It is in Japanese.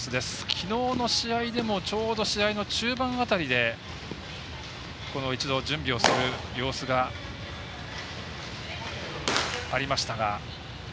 きのうの試合でもちょうど試合の中盤辺りで一度、準備をする様子がありました。